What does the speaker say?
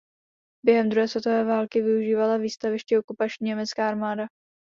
Během druhé světové války využívala výstaviště okupační německá armáda.